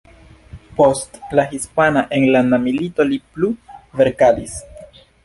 Post la Hispana Enlanda Milito li plu verkadis.